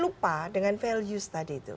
lupa dengan values tadi itu